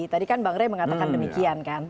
tadi kan bang rey mengatakan demikian kan